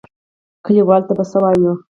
کليوالو ته به څه وايو؟